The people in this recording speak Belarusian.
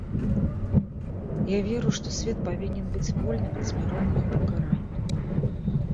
Я веру, што свет павінен быць вольным ад смяротнага пакарання.